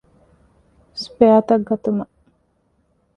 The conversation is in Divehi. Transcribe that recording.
ސްޕެއަރތައް ގަތުމަށް